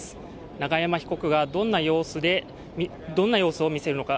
永山被告がどんな様子を見せるのか。